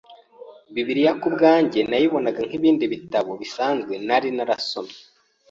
Bibiliya ku bwanjye nayibonaga nk’ibindi bitabo bisanzwe nari narasomye